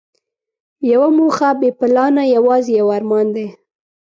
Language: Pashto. یوه موخه بې پلانه یوازې یو ارمان دی.